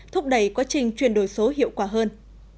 thúc đẩy quá trình chuyển đổi số hiệu quả hơn